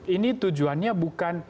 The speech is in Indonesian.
ini tujuannya bukan